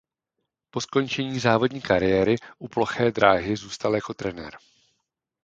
Po skončení závodní kariéry u ploché dráhy zůstal jako trenér.